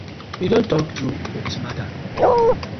Yu don tok true for dis matter.